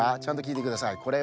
ちゃんときいてください。